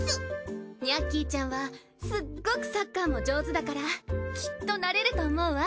にゃっきいちゃんはすっごくサッカーも上手だからきっとなれると思うわ。